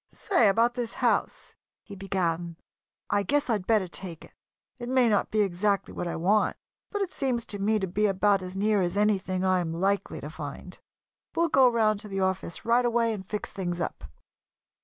"Say, about this house," he began, "I guess I'd better take it. It may not be exactly what I want but it seems to me to be about as near as anything I am likely to find. We'll go round to the office right away and fix things up."